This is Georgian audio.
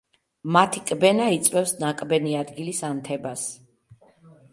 მათი კბენა იწვევს ნაკბენი ადგილის ანთებას.